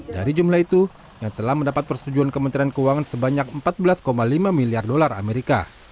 dari jumlah itu yang telah mendapat persetujuan kementerian keuangan sebanyak empat belas lima miliar dolar amerika